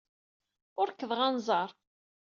Ukḍeɣ anẓar.